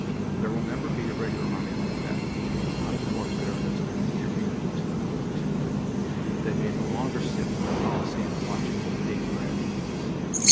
There will never be a Regular Army like that. Modern warfare has opened the arena to the multitude. They may no longer sit in the Coliseum watching the paid gladiators.